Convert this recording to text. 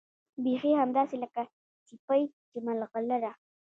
بيخي همداسې لکه سيپۍ چې ملغلره